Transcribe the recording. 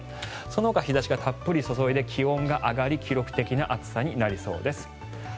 そのほか日差しがたっぷり注いで気温が上がり記録的な暑さになりそうです。